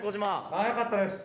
早かったです。